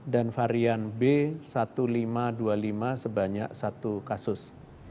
dan varian b satu lima dua lima sebanyak satu kasus